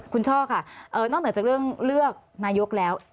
คุณช่อค่ะนอกเหนือจากเรื่องเลือกนายกแล้ว